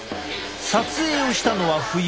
撮影をしたのは冬。